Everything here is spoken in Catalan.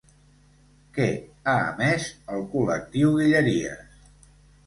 Què ha emès el Col·lectiu Guilleries?